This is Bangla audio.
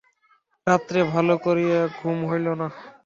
রাত্রে ভালো করিয়া ঘুম হইল না।